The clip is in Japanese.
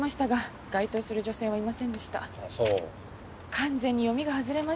完全に読みが外れましたね。